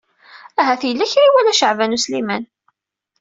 Ahat yella kra i iwala Caɛban U Sliman.